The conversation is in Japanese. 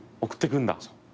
送っていくんだ？